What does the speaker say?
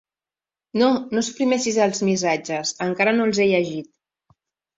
No, no suprimeixis els missatges, encara no els he llegit.